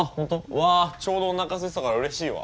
うわちょうどおなかすいてたからうれしいわ。